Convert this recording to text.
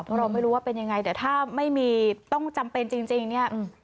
เพราะเราไม่รู้ว่าเป็นยังไงแต่ถ้าไม่มีต้องจำเป็นจริงเนี่ย